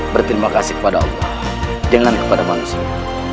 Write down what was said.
berterima kasih kepada allah jangan kepada manusia